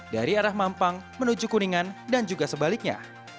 dari arah mampang menuju kuningan dan juga sebaliknya